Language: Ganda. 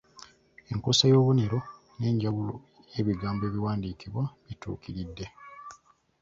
Enkozesa y’obubonero n’enjawula y’ebigambo ebiwandiikibwa bituukiridde.